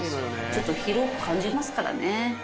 ちょっと広く感じますからね。